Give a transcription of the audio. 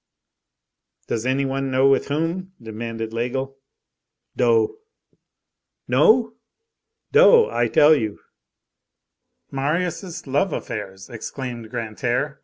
"Does any one know with whom?" demanded Laigle. "Do." "No?" "Do! I tell you." "Marius' love affairs!" exclaimed Grantaire.